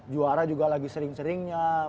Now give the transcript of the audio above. juara juga lagi sering seringnya